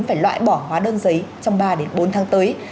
phải loại bỏ hóa đơn giấy trong ba bốn tháng tới